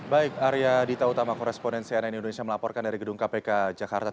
baik arya dita utama korespondensi ann indonesia melaporkan dari gedung kpk jakarta